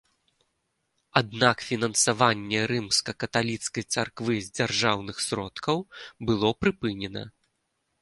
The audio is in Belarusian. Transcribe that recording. Аднак фінансаванне рымска-каталіцкай царквы з дзяржаўных сродкаў было прыпынена.